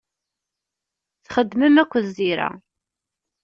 Txeddmem akked Zira.